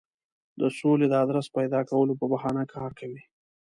د سولې د آدرس پیدا کولو په بهانه کار کوي.